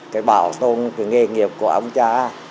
cái bảo tồn cái nghề nghiệp của ông cha